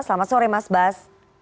selamat sore mas bas